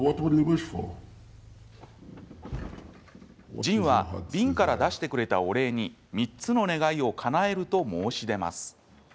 ジンは瓶から出してくれたお礼に３つの願いをかなえると申し出ます。